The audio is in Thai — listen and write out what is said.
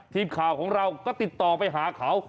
ทีมข่าวของเราก็ติดต่อไปหาเขา